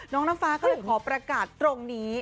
น้องน้ำฟ้าก็เลยขอประกาศตรงนี้